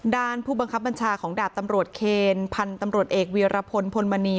ผู้บังคับบัญชาของดาบตำรวจเคนพันธุ์ตำรวจเอกเวียรพลพลมณี